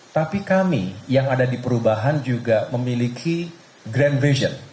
tapi kami yang ada di perubahan juga memiliki grand vision